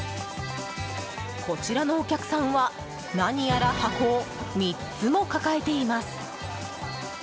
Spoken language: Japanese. こちらのお客さんは何やら箱を３つも抱えています。